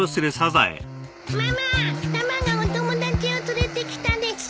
ママタマがお友達を連れてきたです。